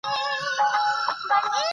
دوی دوه کنډکه ستانه سول.